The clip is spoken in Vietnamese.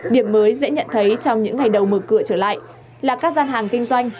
điểm mới dễ nhận thấy trong những ngày đầu mở cửa trở lại là các gian hàng kinh doanh